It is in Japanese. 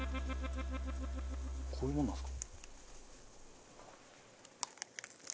こういうものなんですか？